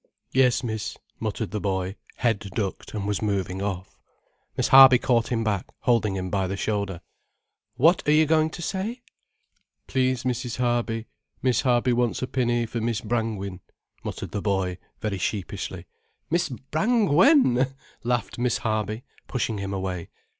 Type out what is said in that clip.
'" "Yes, miss," muttered the boy, head ducked, and was moving off. Miss Harby caught him back, holding him by the shoulder. "What are you going to say?" "Please, Mrs. Harby, Miss Harby wants a pinny for Miss Brangwin," muttered the boy very sheepishly. "Miss Brangwen!" laughed Miss Harby, pushing him away.